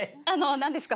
「何ですか？